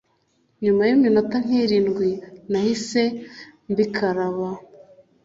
Nyuma y'iminota nk'irindwi nahise mbikaraba,